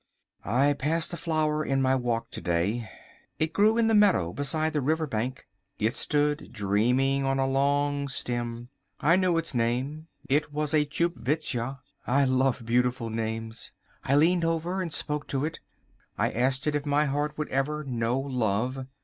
I passed a flower in my walk to day. It grew in the meadow beside the river bank. It stood dreaming on a long stem. I knew its name. It was a Tchupvskja. I love beautiful names. I leaned over and spoke to it. I asked it if my heart would ever know love.